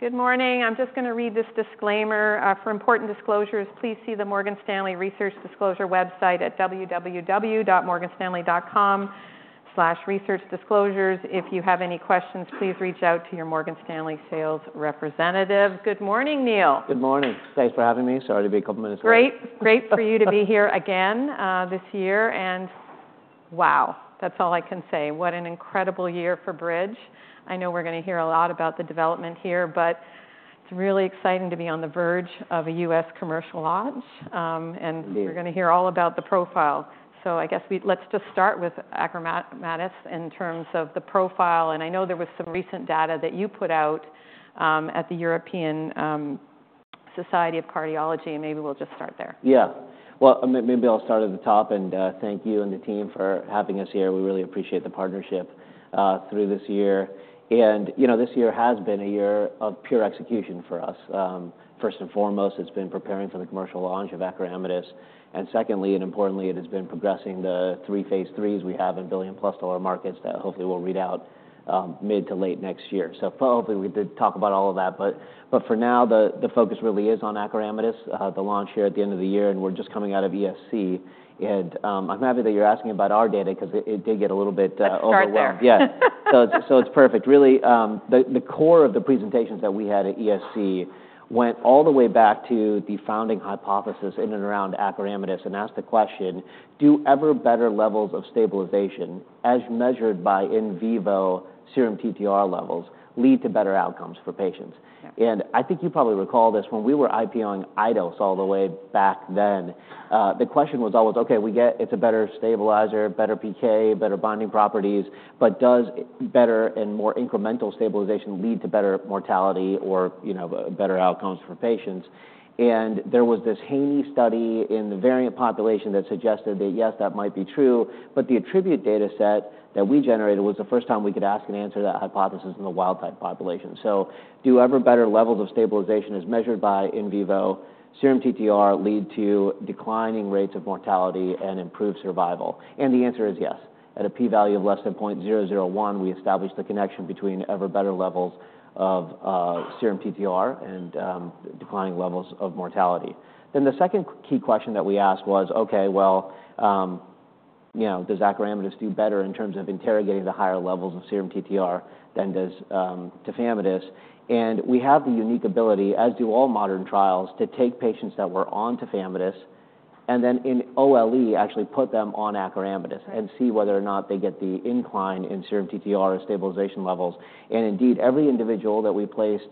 Good morning. I'm just gonna read this disclaimer. For important disclosures, please see the Morgan Stanley Research Disclosure website at www.morganstanley.com/researchdisclosures. If you have any questions, please reach out to your Morgan Stanley sales representative. Good morning, Neil! Good morning. Thanks for having me. Sorry to be a couple minutes late. Great, great for you to be here again, this year, and wow, that's all I can say. What an incredible year for Bridge. I know we're gonna hear a lot about the development here, but it's really exciting to be on the verge of a U.S. commercial launch. Yeah We're gonna hear all about the profile. So I guess let's just start with acoramidis in terms of the profile, and I know there was some recent data that you put out at the European Society of Cardiology, and maybe we'll just start there. Yeah. Well, maybe I'll start at the top, and thank you and the team for having us here. We really appreciate the partnership through this year. And, you know, this year has been a year of pure execution for us. First and foremost, it's been preparing for the commercial launch of acoramidis, and secondly, and importantly, it has been progressing the three phase IIIs we have in billion-plus dollar markets that hopefully will read out mid to late next year. So hopefully, we did talk about all of that, but for now, the focus really is on acoramidis, the launch here at the end of the year, and we're just coming out of ESC. And, I'm happy that you're asking about our data 'cause it did get a little bit overwhelmed. It's right there. Yeah. So it's perfect. Really, the core of the presentations that we had at ESC went all the way back to the founding hypothesis in and around acoramidis and asked the question: Do ever better levels of stabilization, as measured by in vivo serum TTR levels, lead to better outcomes for patients? Yeah. I think you probably recall this. When we were IPO-ing Idos all the way back then, the question was always, "Okay, we get it's a better stabilizer, better PK, better bonding properties, but does better and more incremental stabilization lead to better mortality or, you know, better outcomes for patients?" There was this Haney study in the variant population that suggested that, yes, that might be true, but the ATTRibute data set that we generated was the first time we could ask and answer that hypothesis in the wild type population. So do ever better levels of stabilization, as measured by in vivo serum TTR, lead to declining rates of mortality and improved survival? The answer is yes. At a p-value of less than point zero zero one, we established the connection between ever better levels of serum TTR and declining levels of mortality. Then, the second key question that we asked was: Okay, well, you know, does acoramidis do better in terms of interrogating the higher levels of serum TTR than does tafamidis? And we have the unique ability, as do all modern trials, to take patients that were on tafamidis, and then in OLE, actually put them on acoramidis and see whether or not they get the increase in serum TTR or stabilization levels. And indeed, every individual that we placed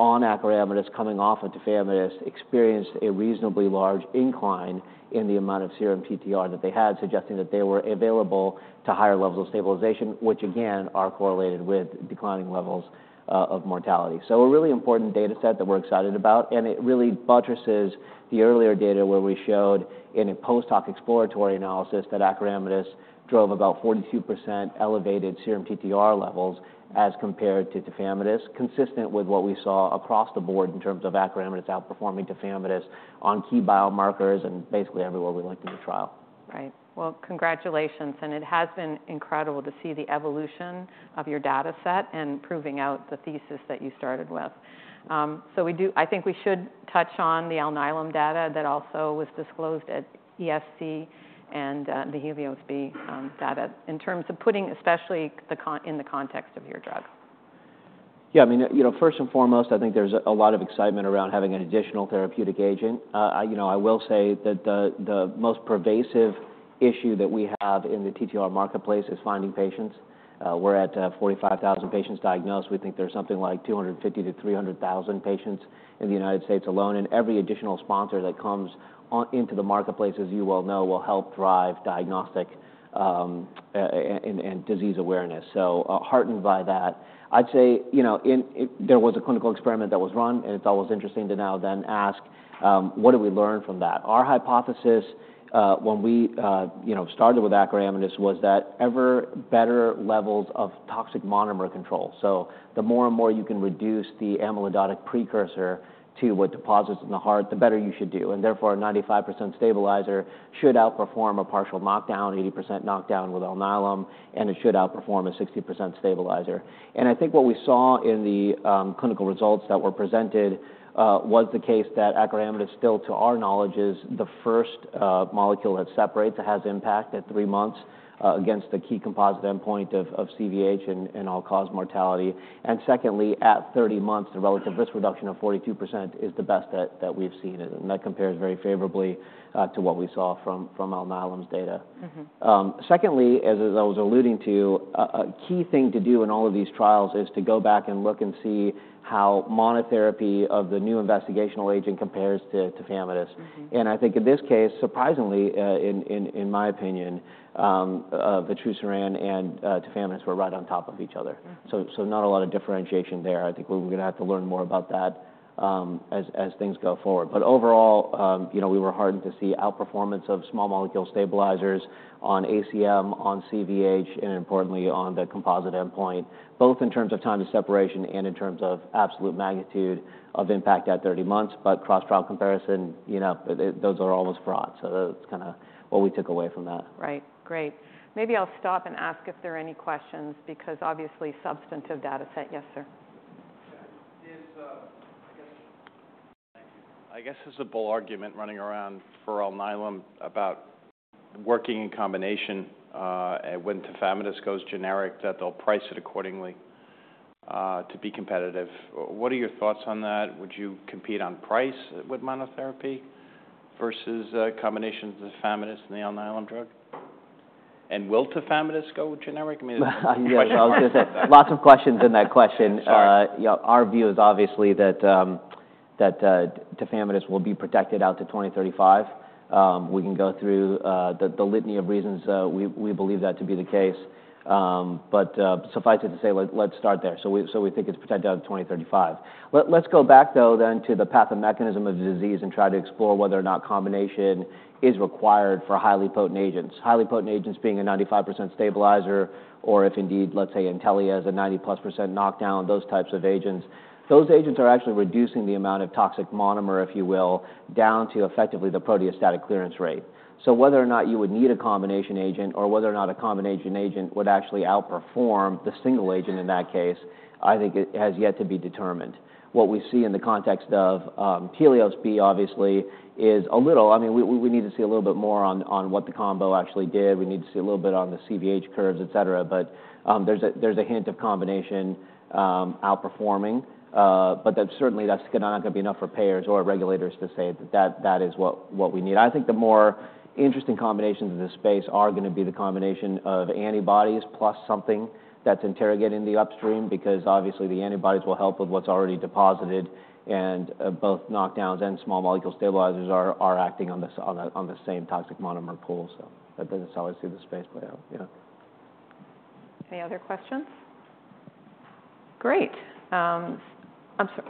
on acoramidis coming off of tafamidis experienced a reasonably large increase in the amount of serum TTR that they had, suggesting that they were available to higher levels of stabilization, which again, are correlated with declining levels of mortality. So a really important data set that we're excited about, and it really buttresses the earlier data where we showed in a post-hoc exploratory analysis that acoramidis drove about 42% elevated serum TTR levels as compared to tafamidis, consistent with what we saw across the board in terms of acoramidis outperforming tafamidis on key biomarkers in basically everywhere we went through the trial. Right. Well, congratulations, and it has been incredible to see the evolution of your data set and proving out the thesis that you started with. So I think we should touch on the Alnylam data that also was disclosed at ESC and the HELIOS-B data in terms of putting, especially in the context of your drug. Yeah, I mean, you know, first and foremost, I think there's a lot of excitement around having an additional therapeutic agent. You know, I will say that the most pervasive issue that we have in the TTR marketplace is finding patients. We're at 45,000 patients diagnosed. We think there's something like 250,000 patients to 300,000 patients in the United States alone, and every additional sponsor that comes into the marketplace, as you well know, will help drive diagnostic and disease awareness, so heartened by that. I'd say, you know, there was a clinical experiment that was run, and it's always interesting to now then ask: what did we learn from that? Our hypothesis, when we, you know, started with acoramidis, was that ever better levels of toxic monomer control, so the more and more you can reduce the amyloidogenic precursor to what deposits in the heart, the better you should do, and therefore, a 95% stabilizer should outperform a partial knockdown, 80% knockdown with Alnylam, and it should outperform a 60% stabilizer. And I think what we saw in the clinical results that were presented was the case that acoramidis, still to our knowledge, is the first molecule that separates, that has impact at three months against the key composite endpoint of CVH and all-cause mortality, and secondly, at 30 months, the relative risk reduction of 42% is the best that we've seen, and that compares very favorably to what we saw from Alnylam's data. Mm-hmm. Secondly, as I was alluding to, a key thing to do in all of these trials is to go back and look and see how monotherapy of the new investigational agent compares to tafamidis. Mm-hmm. I think in this case, surprisingly, in my opinion, vutrisiran and tafamidis were right on top of each other. Mm. Not a lot of differentiation there. I think we're gonna have to learn more about that, as things go forward. But overall, you know, we were heartened to see outperformance of small molecule stabilizers on ACM, on CVH, and importantly, on the composite endpoint, both in terms of time to separation and in terms of absolute magnitude of impact at 30 months, but cross-trial comparison, you know, those are almost fraught. That's kinda what we took away from that. Right. Great. Maybe I'll stop and ask if there are any questions, because obviously substantive data set. Yes, sir? Yes, I guess there's a bull argument running around for Alnylam about working in combination, when tafamidis goes generic, that they'll price it accordingly, to be competitive. What are your thoughts on that? Would you compete on price with monotherapy versus a combination of tafamidis and the Alnylam drug? And will tafamidis go generic? I mean, lots of questions. Yes, I was gonna say, lots of questions in that question. Sorry. Yeah, our view is obviously that tafamidis will be protected out to 2035. We can go through the litany of reasons we believe that to be the case. Suffice it to say, let's start there. We think it's protected out to 2035. Let's go back, though, then to the pathomechanism of the disease and try to explore whether or not combination is required for highly potent agents. Highly potent agents being a 95% stabilizer, or if indeed, let's say, Intellia has a 90+% knockdown, those types of agents. Those agents are actually reducing the amount of toxic monomer, if you will, down to effectively the proteostatic clearance rate. So whether or not you would need a combination agent or whether or not a combination agent would actually outperform the single agent in that case, I think it has yet to be determined. What we see in the context of HELIOS-B, obviously, is a little... I mean, we need to see a little bit more on what the combo actually did. We need to see a little bit on the CVH curves, et cetera. But there's a hint of combination outperforming, but that certainly that's not gonna be enough for payers or regulators to say that that is what we need. I think the more interesting combinations in this space are gonna be the combination of antibodies, plus something that's interrogating the upstream, because obviously, the antibodies will help with what's already deposited, and both knockdowns and small molecule stabilizers are acting on the same toxic monomer pool. So that's how I see the space play out. Yeah. Any other questions? Great. I'm sorry.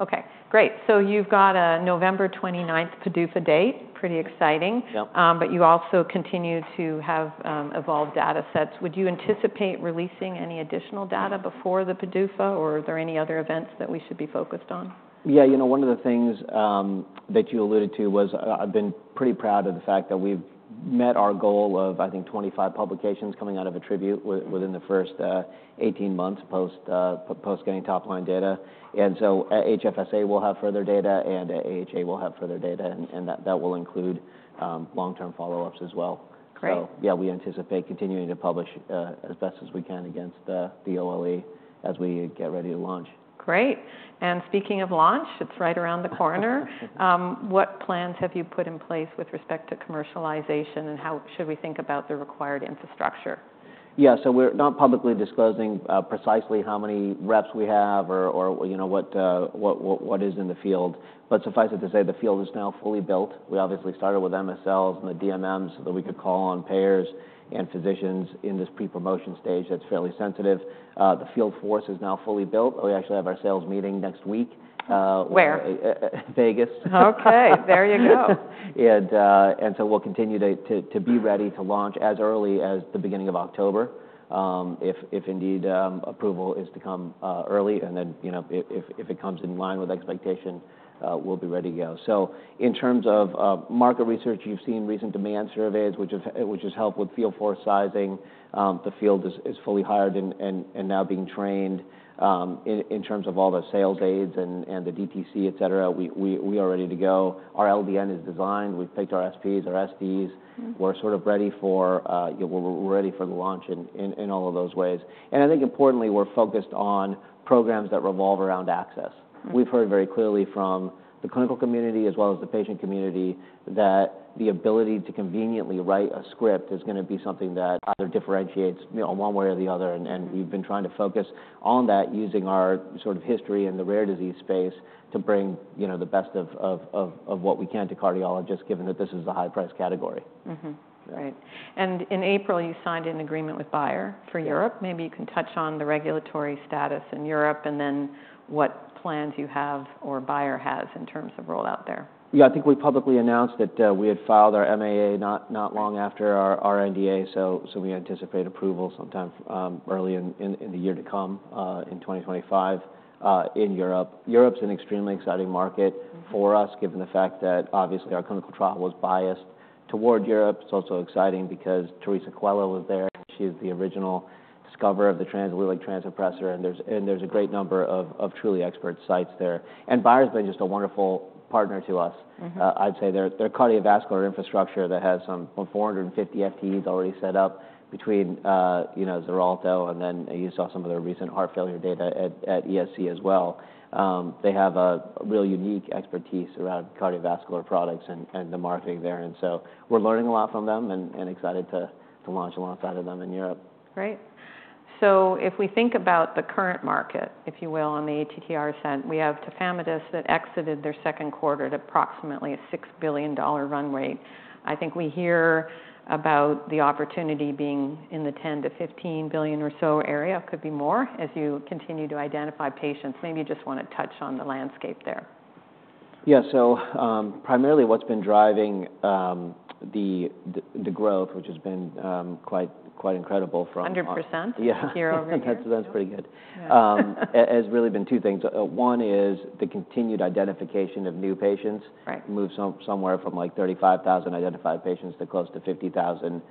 Okay, great. So you've got a November 20th PDUFA date. Pretty exciting. Yep. But you also continue to have evolved data sets. Would you anticipate releasing any additional data before the PDUFA, or are there any other events that we should be focused on? Yeah, you know, one of the things that you alluded to was I've been pretty proud of the fact that we've met our goal of, I think, 25 publications coming out of ATTRibute within the first eighteen months post getting top-line data. And so at HFSA, we'll have further data, and at AHA, we'll have further data, and that will include long-term follow-ups as well. Great. So yeah, we anticipate continuing to publish as best as we can against the OLE as we get ready to launch. Great, and speaking of launch, it's right around the corner. What plans have you put in place with respect to commercialization, and how should we think about the required infrastructure? Yeah, so we're not publicly disclosing precisely how many reps we have or, you know, what is in the field. But suffice it to say, the field is now fully built. We obviously started with MSLs and the DMMs, so that we could call on payers and physicians in this pre-promotion stage that's fairly sensitive. The field force is now fully built. We actually have our sales meeting next week. Where? Vegas. Okay, there you go. And so we'll continue to be ready to launch as early as the beginning of October, if indeed approval is to come early. Then, you know, if it comes in line with expectation, we'll be ready to go. In terms of market research, you've seen recent demand surveys, which has helped with field force sizing. The field is fully hired and now being trained. In terms of all the sales aids and the DTC, et cetera, we are ready to go. Our LDN is designed. We've picked our SPs, our SDs. Mm-hmm. We're ready for the launch in all of those ways, and I think importantly, we're focused on programs that revolve around access. Mm-hmm. We've heard very clearly from the clinical community, as well as the patient community, that the ability to conveniently write a script is gonna be something that either differentiates, you know, one way or the other, and we've been trying to focus on that, using our sort of history in the rare disease space, to bring, you know, the best of what we can to cardiologists, given that this is a high-price category. Mm-hmm. Right. And in April, you signed an agreement with Bayer for Europe. Maybe you can touch on the regulatory status in Europe, and then what plans you have or Bayer has in terms of rollout there. Yeah, I think we publicly announced that we had filed our MAA not long after our NDA, so we anticipate approval sometime early in the year to come in 2025 in Europe. Europe's an extremely exciting market- Mm-hmm... for us, given the fact that obviously, our clinical trial was biased toward Europe. It's also exciting because Teresa Coelho was there. She's the original discoverer of the transthyretin amyloidosis, and there's a great number of truly expert sites there. And Bayer's been just a wonderful partner to us. Mm-hmm. I'd say their cardiovascular infrastructure that has some four hundred and fifty FTEs already set up between, you know, Xarelto, and then you saw some of their recent heart failure data at ESC as well. They have a real unique expertise around cardiovascular products and the marketing there, and so we're learning a lot from them and excited to launch alongside of them in Europe. Great. So if we think about the current market, if you will, on the ATTR front, we have tafamidis that exited their second quarter at approximately a $6 billion run rate. I think we hear about the opportunity being in the $10-$15 billion or so area. Could be more as you continue to identify patients. Maybe you just wanna touch on the landscape there.... Yeah, so, primarily what's been driving the growth, which has been quite incredible from- Hundred percent. Yeah. Year-over-year. That's pretty good. Yeah. It has really been two things. One is the continued identification of new patients- Right somewhere from, like, 35,000 identified patients to close to 50,000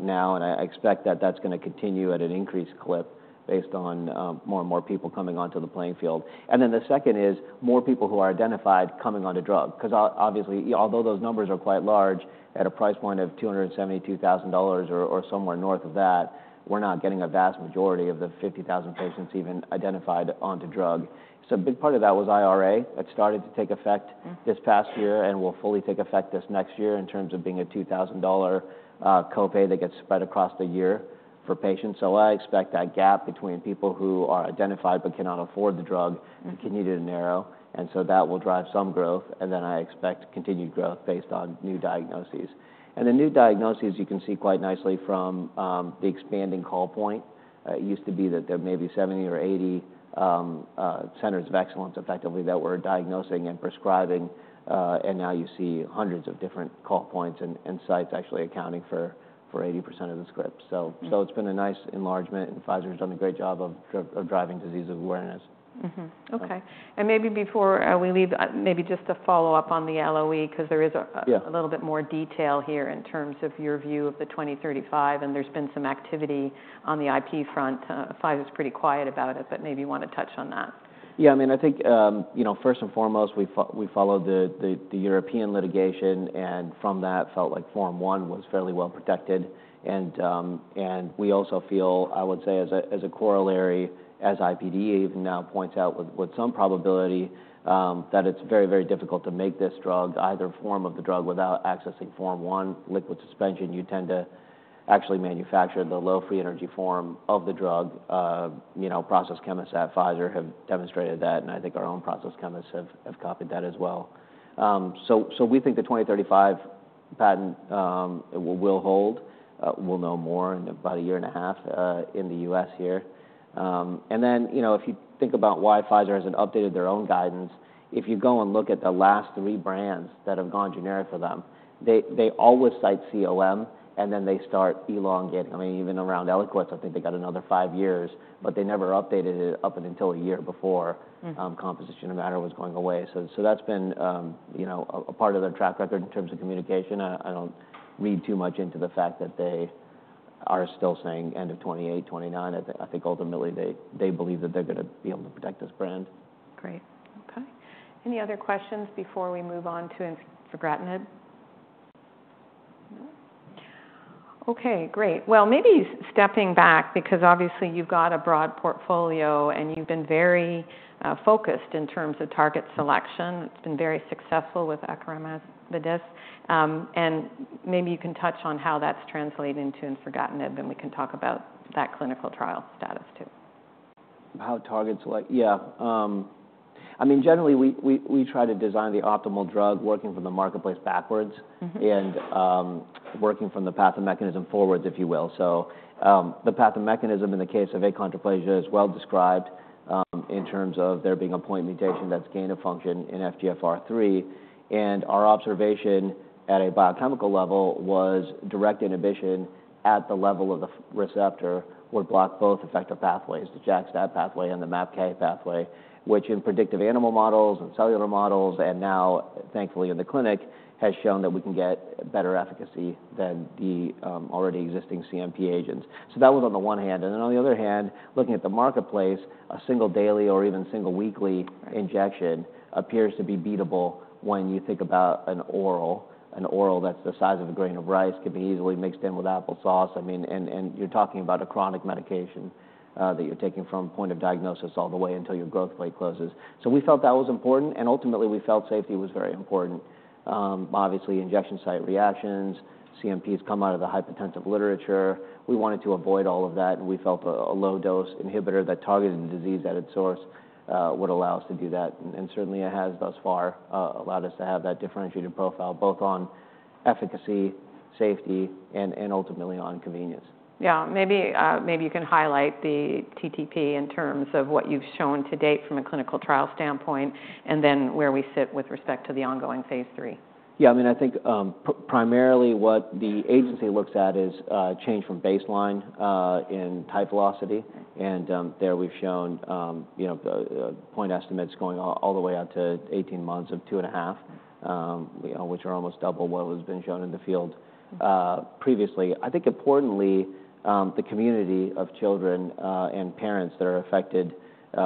now, and I expect that that's gonna continue at an increased clip based on more and more people coming onto the playing field. Then the second is more people who are identified coming onto drug. 'Cause obviously, although those numbers are quite large, at a price point of $272,000 or somewhere north of that, we're not getting a vast majority of the 50,000 patients even identified onto drug. So a big part of that was IRA. That started to take effect. Mm this past year and will fully take effect this next year in terms of being a $2000 copay that gets spread across the year for patients. So I expect that gap between people who are identified but cannot afford the drug. Mm -continue to narrow, and so that will drive some growth, and then I expect continued growth based on new diagnoses. And the new diagnoses, you can see quite nicely from the expanding call point. It used to be that there may be 70 or 80 centers of excellence, effectively, that were diagnosing and prescribing, and now you see hundreds of different call points and sites actually accounting for 80% of the scripts. Mm. It's been a nice enlargement, and Pfizer's done a great job of driving disease awareness. Mm-hmm. Okay. Yeah. And maybe before we leave, maybe just to follow up on the LOE, 'cause there is a- Yeah... a little bit more detail here in terms of your view of the 2035, and there's been some activity on the IP front. Pfizer is pretty quiet about it, but maybe you wanna touch on that. Yeah, I mean, I think, you know, first and foremost, we followed the European litigation, and from that, felt like Form One was fairly well protected. And we also feel, I would say, as a corollary, as IPD even now points out with some probability, that it's very, very difficult to make this drug, either form of the drug, without accessing Form One liquid suspension. You tend to actually manufacture the low-free energy form of the drug. You know, process chemists at Pfizer have demonstrated that, and I think our own process chemists have copied that as well. So we think the 2025 patent will hold. We'll know more in about a year and a half in the US here. And then, you know, if you think about why Pfizer hasn't updated their own guidance, if you go and look at the last three brands that have gone generic for them, they always cite COM, and then they start elongating. I mean, even around Eliquis, I think they got another five years, but they never updated it up until a year before- Mm... composition of matter was going away. So that's been, you know, a part of their track record in terms of communication. I don't read too much into the fact that they are still saying end of 2028, 2029. I think, ultimately, they believe that they're gonna be able to protect this brand. Great. Okay. Any other questions before we move on to infigratinib? No. Okay, great. Well, maybe stepping back, because obviously you've got a broad portfolio, and you've been very focused in terms of target selection. It's been very successful with acoramidis, the drug. And maybe you can touch on how that's translating to infigratinib, and we can talk about that clinical trial status, too. How targets like... Yeah. I mean, generally, we try to design the optimal drug, working from the marketplace backwards- Mm-hmm... and working from the pathomechanism forwards, if you will, so the pathomechanism in the case of achondroplasia is well described in terms of there being a point mutation that's gain of function in FGFR3, and our observation at a biochemical level was direct inhibition at the level of the FGFR3 receptor would block both effective pathways, the JAK-STAT pathway and the MAPK pathway, which in predictive animal models and cellular models, and now thankfully in the clinic, has shown that we can get better efficacy than the already existing CNP agents, so that was on the one hand, and then on the other hand, looking at the marketplace, a single daily or even single weekly injection appears to be beatable when you think about an oral. An oral that's the size of a grain of rice could be easily mixed in with applesauce. I mean, you're talking about a chronic medication that you're taking from point of diagnosis all the way until your growth plate closes. So we felt that was important, and ultimately, we felt safety was very important. Obviously, injection site reactions, CNPs come out of the hypotensive literature. We wanted to avoid all of that, and we felt a low-dose inhibitor that targeted the disease at its source would allow us to do that. And certainly, it has thus far allowed us to have that differentiated profile, both on efficacy, safety, and ultimately on convenience. Yeah. Maybe, maybe you can highlight the TTR in terms of what you've shown to date from a clinical trial standpoint, and then where we sit with respect to the ongoing phase 3. Yeah, I mean, I think primarily, what the agency looks at is change from baseline in tie velocity, and there we've shown, you know, the point estimates going all the way out to eighteen months of two and a half, you know, which are almost double what has been shown in the field previously. I think importantly, the community of children and parents that are affected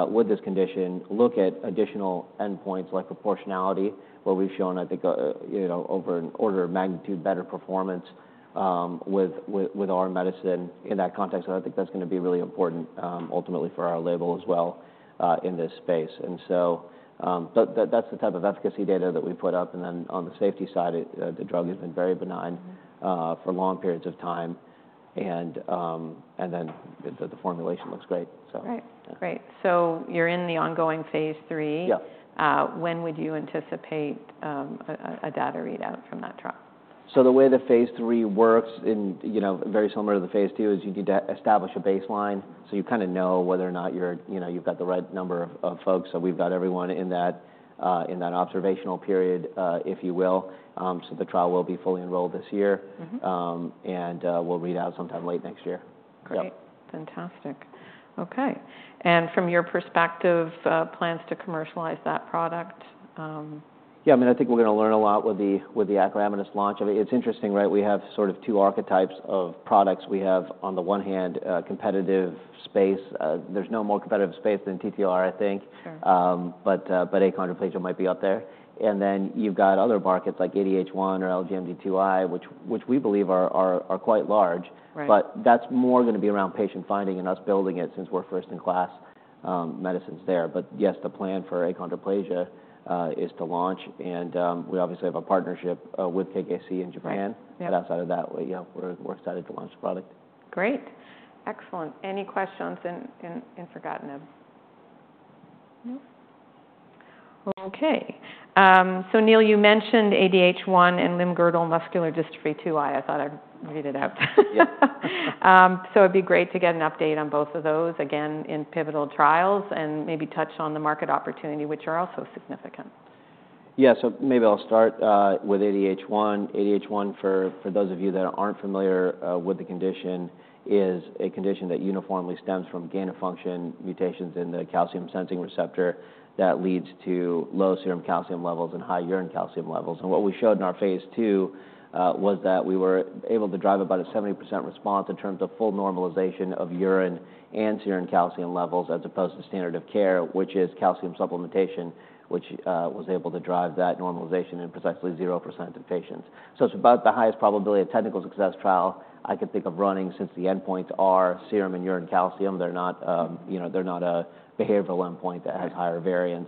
with this condition look at additional endpoints, like proportionality, where we've shown, I think, you know, over an order of magnitude better performance with our medicine in that context. And I think that's gonna be really important ultimately for our label as well in this space. And so, but that's the type of efficacy data that we've put up, and then on the safety side, the drug has been very benign- Mm... for long periods of time, and then the formulation looks great. So- Right. Yeah. Great. So you're in the ongoing phase III? Yeah. When would you anticipate a data readout from that trial?... So the way the phase III works in, you know, very similar to the phase II, is you need to establish a baseline, so you kind of know whether or not you're you know, you've got the right number of folks. So we've got everyone in that observational period, if you will. So the trial will be fully enrolled this year. Mm-hmm. We'll read out sometime late next year. Great. Yep. Fantastic. Okay, and from your perspective, plans to commercialize that product, Yeah, I mean, I think we're gonna learn a lot with the acoramidis launch. I mean, it's interesting, right? We have sort of two archetypes of products. We have, on the one hand, a competitive space. There's no more competitive space than TTR, I think. Sure. But achondroplasia might be up there. And then you've got other markets like ADH1 or LGMD2I, which we believe are quite large. Right. But that's more gonna be around patient finding and us building it, since we're first-in-class medicines there. But yes, the plan for achondroplasia is to launch, and we obviously have a partnership with KKC in Japan. Right. Yep. But outside of that, yeah, we're excited to launch the product. Great. Excellent! Any questions? I forgot them? No. Okay. So Neil, you mentioned ADH1 and limb-girdle muscular dystrophy 2I. I thought I'd read it out. Yeah. So it'd be great to get an update on both of those again in pivotal trials, and maybe touch on the market opportunity, which are also significant. Yeah, so maybe I'll start with ADH1. ADH1, for those of you that aren't familiar with the condition, is a condition that uniformly stems from gain-of-function mutations in the calcium-sensing receptor that leads to low serum calcium levels and high urine calcium levels. And what we showed in our phase II was that we were able to drive about a 70% response in terms of full normalization of urine and serum calcium levels, as opposed to standard of care, which is calcium supplementation, which was able to drive that normalization in precisely 0% of patients. So it's about the highest probability of technical success trial I could think of running, since the endpoints are serum and urine calcium. They're not, you know, they're not a behavioral endpoint that has higher variance.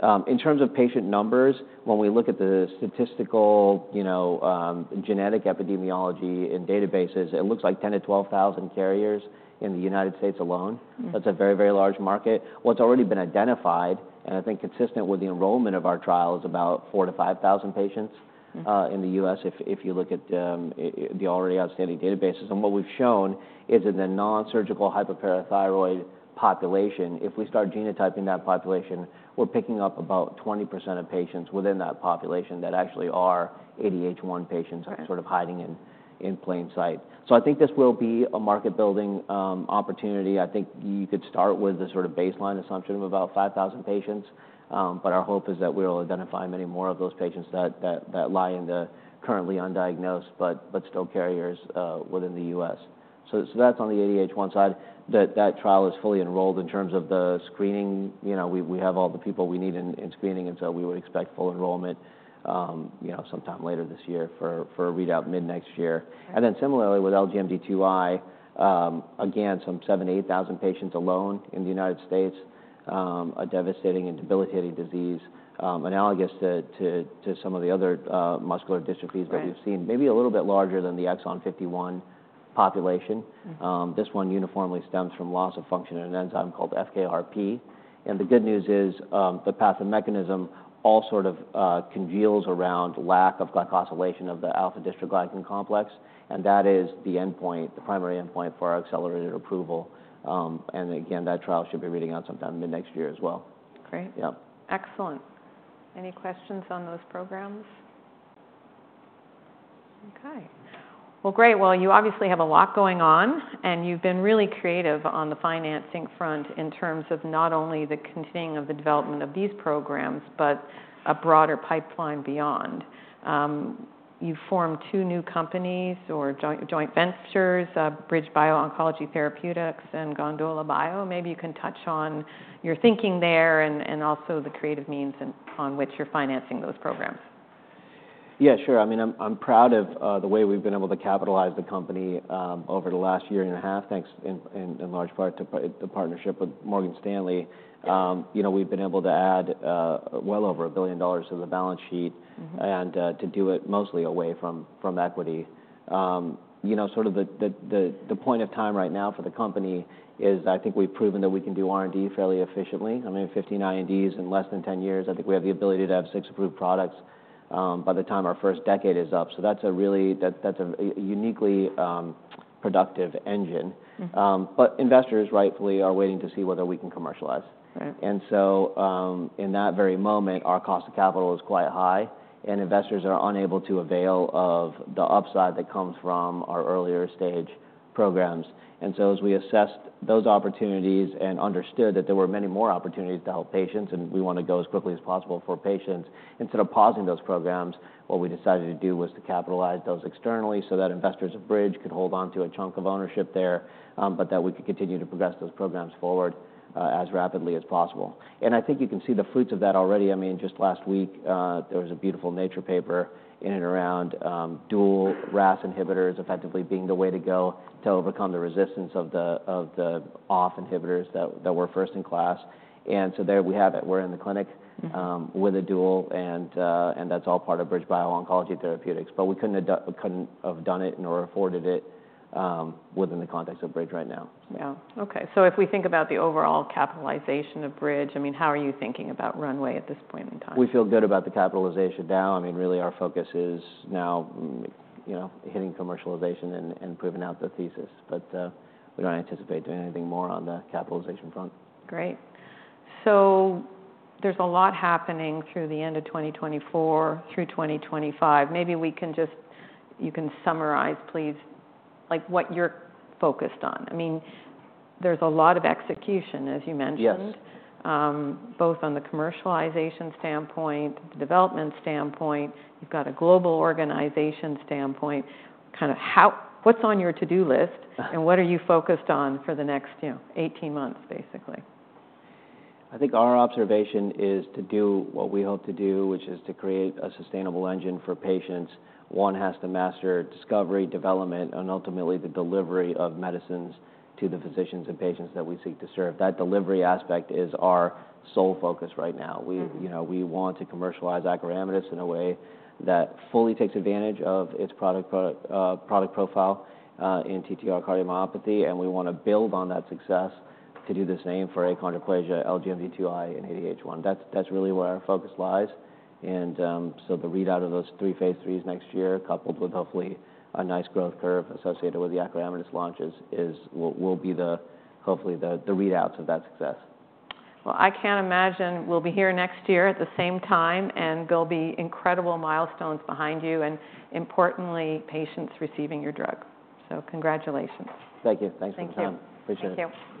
Right. In terms of patient numbers, when we look at the statistical, you know, genetic epidemiology in databases, it looks like 10-12 thousand carriers in the United States alone. Mm-hmm. That's a very, very large market. What's already been identified, and I think consistent with the enrollment of our trial, is about four to five thousand patients. Mm-hmm... in the U.S., if you look at the already outstanding databases. And what we've shown is, in the nonsurgical hyperparathyroid population, if we start genotyping that population, we're picking up about 20% of patients within that population that actually are ADH1 patients- Right... sort of hiding in plain sight. So I think this will be a market-building opportunity. I think you could start with a sort of baseline assumption of about five thousand patients, but our hope is that we'll identify many more of those patients that lie in the currently undiagnosed but still carriers within the US. So that's on the ADH1 side, that trial is fully enrolled. In terms of the screening, you know, we have all the people we need in screening, and so we would expect full enrollment, you know, sometime later this year, for a readout mid-next year. Mm-hmm. And then similarly, with LGMD2I, again, some 70 to 8,000 patients alone in the United States. A devastating and debilitating disease, analogous to some of the other muscular dystrophies. Right... that we've seen. Maybe a little bit larger than the exon fifty-one population. Mm-hmm. This one uniformly stems from loss of function in an enzyme called FKRP. And the good news is, the path and mechanism all sort of congeals around lack of glycosylation of the alpha-dystroglycan complex, and that is the endpoint, the primary endpoint for our accelerated approval. And again, that trial should be reading out sometime mid-next year as well. Great. Yep. Excellent. Any questions on those programs? Okay. Well, great. Well, you obviously have a lot going on, and you've been really creative on the financing front, in terms of not only the continuing of the development of these programs, but a broader pipeline beyond. You've formed two new companies, or joint ventures, BridgeBio Oncology Therapeutics and Gondola Bio. Maybe you can touch on your thinking there and also the creative means on which you're financing those programs. Yeah, sure. I mean, I'm proud of the way we've been able to capitalize the company over the last year and a half, thanks in large part to the partnership with Morgan Stanley. You know, we've been able to add well over $1 billion to the balance sheet. Mm-hmm... and to do it mostly away from equity. You know, sort of the point of time right now for the company is, I think we've proven that we can do R&D fairly efficiently. I mean, 50 INDs in less than 10 years, I think we have the ability to have 6 approved products by the time our first decade is up. So that's a uniquely productive engine. Mm-hmm. But investors rightfully are waiting to see whether we can commercialize. Right. And so, in that very moment, our cost of capital is quite high, and investors are unable to avail of the upside that comes from our earlier-stage programs. And so, as we assessed those opportunities and understood that there were many more opportunities to help patients, and we want to go as quickly as possible for patients, instead of pausing those programs, what we decided to do was to capitalize those externally so that investors of Bridge could hold on to a chunk of ownership there, but that we could continue to progress those programs forward, as rapidly as possible. And I think you can see the fruits of that already. I mean, just last week, there was a beautiful Nature paper in and around dual RAS inhibitors effectively being the way to go to overcome the resistance of the RAF inhibitors that were first in class. And so there we have it. We're in the clinic- Mm-hmm... with a dual, and that's all part of BridgeBio Oncology Therapeutics. But we couldn't have done it, nor afforded it, within the context of Bridge right now. Yeah. Okay, so if we think about the overall capitalization of Bridge, I mean, how are you thinking about runway at this point in time? We feel good about the capitalization now. I mean, really, our focus is now, you know, hitting commercialization and proving out the thesis, but we don't anticipate doing anything more on the capitalization front. Great. So there's a lot happening through the end of 2024 through 2025. Maybe you can summarize, please, like, what you're focused on. I mean, there's a lot of execution, as you mentioned. Yes... both on the commercialization standpoint, the development standpoint. You've got a global organization standpoint. Kind of what's on your to-do list, and what are you focused on for the next, you know, eighteen months, basically? I think our observation is to do what we hope to do, which is to create a sustainable engine for patients. One has to master discovery, development, and ultimately, the delivery of medicines to the physicians and patients that we seek to serve. That delivery aspect is our sole focus right now. Mm-hmm. We, you know, we want to commercialize acoramidis in a way that fully takes advantage of its product profile in TTR cardiomyopathy, and we wanna build on that success to do the same for achondroplasia, LGMD2I, and ADH1. That's really where our focus lies. So the readout of those three phase 3s next year, coupled with hopefully a nice growth curve associated with the acoramidis launches, is what will be hopefully the readouts of that success. I can't imagine we'll be here next year at the same time, and there'll be incredible milestones behind you and, importantly, patients receiving your drug, so congratulations. Thank you. Thanks for your time. Thank you. Appreciate it. Thank you.